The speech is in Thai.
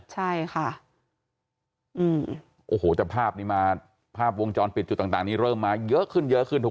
ใช่ค่ะอืมโอ้โหแต่ภาพนี้มาภาพวงจรปิดจุดต่างนี้เริ่มมาเยอะขึ้นเยอะขึ้นถูก